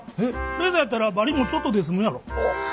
レーザーやったらバリもちょっとで済むやろ。